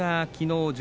きのう